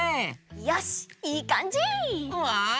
よしいいかんじ！わい！